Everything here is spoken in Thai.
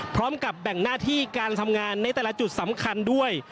พร้อมกับแบ่งหน้าที่การทำงานในแต่ละจุดสำคัญด้วย